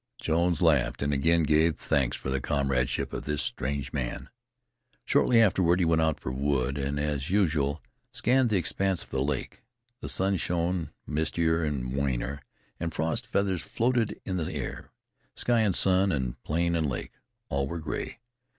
Jones laughed, and again gave thanks for the comradeship of this strange man. Shortly afterward, he went out for wood, and as usual scanned the expanse of the lake. The sun shone mistier and warmer, and frost feathers floated in the air. Sky and sun and plain and lake all were gray.